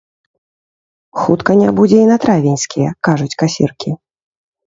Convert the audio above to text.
Хутка не будзе і на травеньскія, кажуць касіркі.